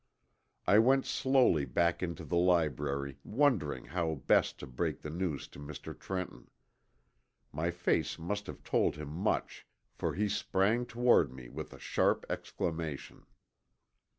I went slowly back into the library wondering how best to break the news to Mr. Trenton. My face must have told him much, for he sprang toward me with a sharp exclamation.